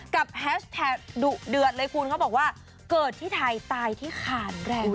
แฮชแท็กดุเดือดเลยคุณเขาบอกว่าเกิดที่ไทยตายที่ขานแรง